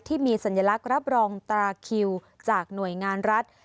ที่มีสัญลักษณ์รับรองตราคิวจากหน่วยงานรัฐ